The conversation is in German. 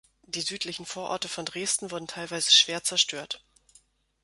Die südlichen Vororte von Dresden wurden teilweise schwer zerstört.